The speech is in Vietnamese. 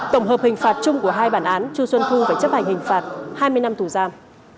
tổng hợp hình phạt chung của hai bản án chu xuân thu phải chấp hành hình phạt hai mươi năm tù giam